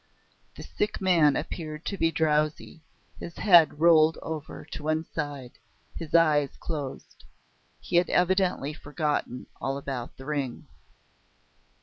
The sick man appeared to be drowsy, his head rolled over to one side, his eyes closed. He had evidently forgotten all about the ring.